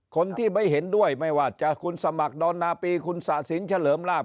คนที่ไม่เห็นด้วยไม่ว่าจะคุณสมัครดอนนาปีคุณสะสินเฉลิมลาบ